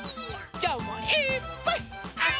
きょうもいっぱい。